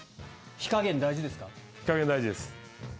火加減大事です。